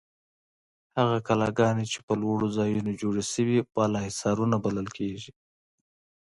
هغه کلاګانې چې په لوړو ځایونو جوړې شوې بالاحصارونه بلل کیږي.